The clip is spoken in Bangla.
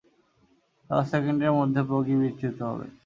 দশ সেকেন্ডের মধ্যে বগি বিচ্যুত হবে!